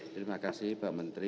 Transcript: terima kasih pak menteri